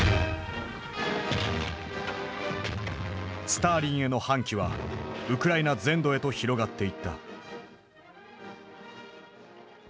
スターリンへの反旗はウクライナ全土へと広がっていった。